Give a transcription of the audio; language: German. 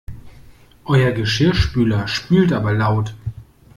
Euer Geschirrspüler spült aber laut!